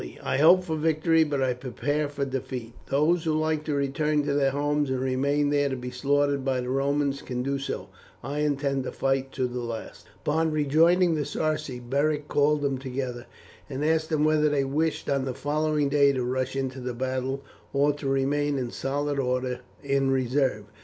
I hope for victory, but I prepare for defeat; those who like to return to their homes and remain there to be slaughtered by the Romans, can do so. I intend to fight to the last." Upon rejoining the Sarci, Beric called them together, and asked them whether they wished on the following day to rush into the battle, or to remain in solid order in reserve.